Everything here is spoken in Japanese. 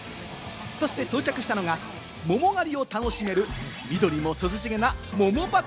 そして到着したのが、桃狩りを楽しめる、緑も涼しげな桃畑。